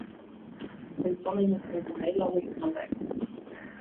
In tanimmend oantal Nederlânners wol dat ek.